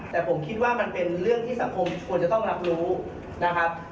แต่ผมคิดว่ามันเป็นเรื่องที่สังคมควรจะต้องรับรู้นะครับ